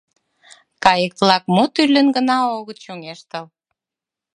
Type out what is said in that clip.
Кайык-влак мо тӱрлын гына огыт чоҥештыл...